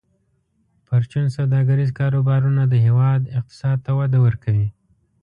پرچون سوداګریز کاروبارونه د هیواد اقتصاد ته وده ورکوي.